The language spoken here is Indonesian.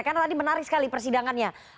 karena tadi menarik sekali persidangannya